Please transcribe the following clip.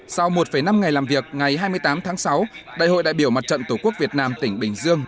sau một năm ngày làm việc ngày hai mươi tám tháng sáu đại hội đại biểu mặt trận tổ quốc việt nam tỉnh bình dương